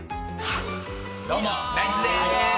どうもナイツです。